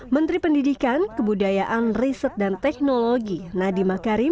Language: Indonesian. menteri pendidikan kebudayaan riset dan teknologi nadima karim